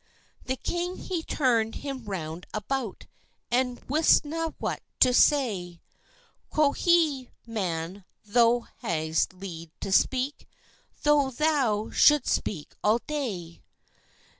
The king he turn'd him round about, And wistna what to say: Quo' he, "Man, thou's ha'e leave to speak, Though thou should speak all day."